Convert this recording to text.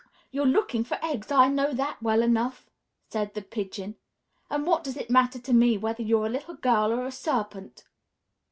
"You're looking for eggs, I know that well enough," said the Pigeon; "and what does it matter to me whether you're a little girl or a serpent?"